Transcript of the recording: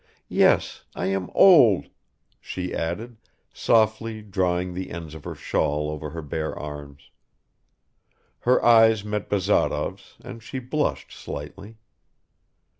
Yes, I am old " she added, softly drawing the ends of her shawl over her bare arms. Her eyes met Bazarov's and she blushed slightly.